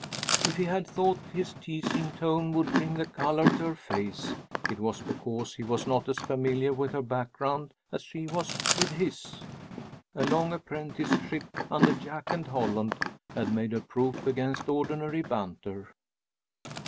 If he had thought his teasing tone would bring the color to her face, it was because he was not as familiar with her background as she was with his. A long apprenticeship under Jack and Holland had made her proof against ordinary banter.